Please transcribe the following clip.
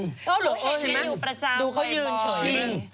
ดูเขายืนเฉย